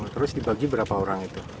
terus dibagi berapa orang itu